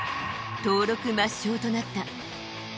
登録抹消となった。